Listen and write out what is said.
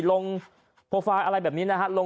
ลงโปรไฟล์อะไรแบบนี้นะฮะ